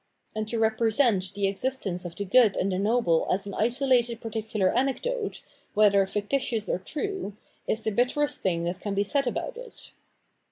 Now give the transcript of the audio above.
And to represent the existence of the good and the noble as an isolated particular anecdote, whether fictitious or true, is the bitterest thing that can he said about it.